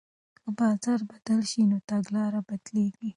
که بازار بدل شي نو تګلاره بدلیږي.